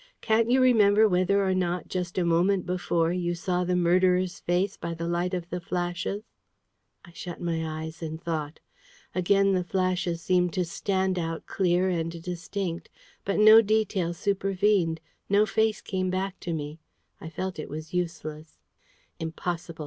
Can't you remember whether or not, just a moment before, you saw the murderer's face by the light of the flashes?" I shut my eyes and thought. Again the flashes seemed to stand out clear and distinct. But no detail supervened no face came back to me. I felt it was useless. "Impossible!"